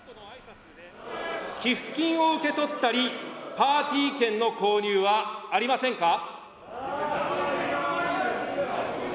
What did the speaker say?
寄付金を受け取ったり、パーティー券の購入はありませんか。